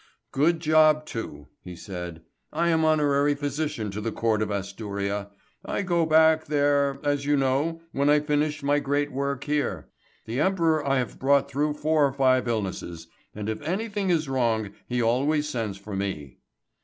"Good job too," he said. "I am honorary physician to the Court of Asturia. I go back, there, as you know, when I finish my great work here. The Emperor I have brought through four or five illnesses, and if anything is wrong he always sends for me."